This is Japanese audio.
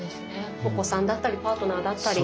お子さんだったりパートナーだったり。